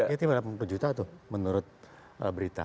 itu berarti delapan puluh juta menurut berita